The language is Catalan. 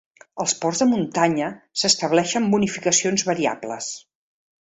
Als ports de muntanya s'estableixen bonificacions variables.